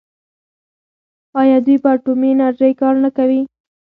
آیا دوی په اټومي انرژۍ کار نه کوي؟